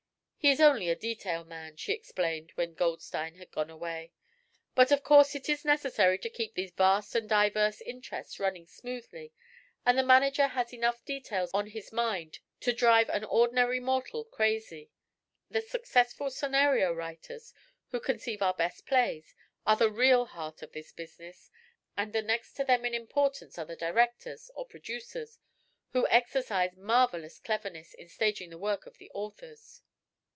"He is only a detail man," she explained when Goldstein had gone way, "but of course it is necessary to keep these vast and diverse interests running smoothly, and the manager has enough details on his mind to drive an ordinary mortal crazy. The successful scenario writers, who conceive our best plays, are the real heart of this business, and the next to them in importance are the directors, or producers, who exercise marvelous cleverness in staging the work of the authors."